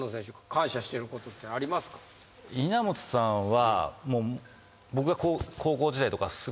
稲本さんは。